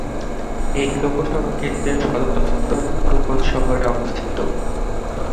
এই লোকসভা কেন্দ্রের সদর দফতর গোপালগঞ্জ শহরে অবস্থিত।